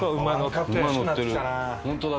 ホントだ。